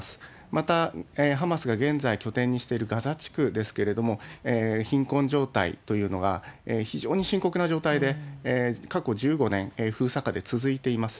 また、ハマスが現在拠点にしているガザ地区ですけれども、貧困状態というのが非常に深刻な状態で、過去１５年、封鎖下で続いています。